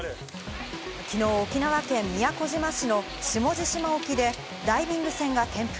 きのう、沖縄県宮古島市の下地島沖でダイビング船が転覆。